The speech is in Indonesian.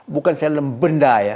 bukan dalam benda